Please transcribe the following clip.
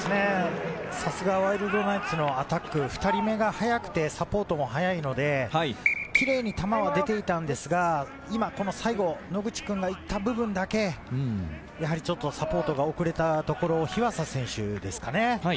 さすがワイルドナイツのアタック、２人目が速くて、サポートも早いので、キレイに球は出ていたんですが、最後、野口君が行った部分だけちょっとサポートが遅れたところを日和佐選手ですかね。